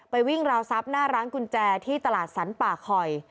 วิ่งราวทรัพย์หน้าร้านกุญแจที่ตลาดสรรป่าคอย